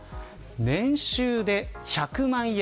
年収で１００万円